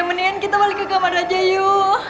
kemudian kita balik ke kamar aja yuk